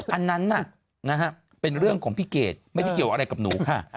อันนั้นน่ะนะฮะเป็นเรื่องของพี่เกดไม่ได้เกี่ยวอะไรกับหนูค่ะ